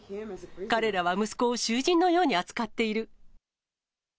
彼らは息子を囚人のように扱っている。